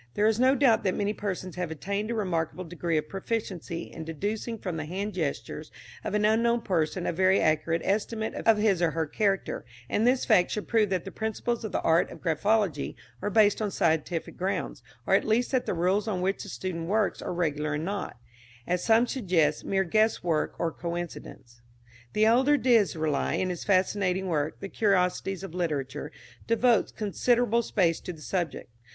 There is no doubt that many persons have attained a remarkable degree of proficiency in deducing from the hand gestures of an unknown person a very accurate estimate of his or her character, and this fact should prove that the principles of the art of graphology are based on scientific grounds, or at least that the rules on which the student works are regular and not, as some suggest, mere guess work or coincidence. The elder d'Israeli, in his fascinating work, the "Curiosities of Literature," devotes considerable space to the subject.